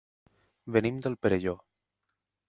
Venim del Perelló.